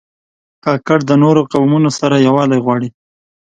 کاکړ د نورو قومونو سره یووالی غواړي.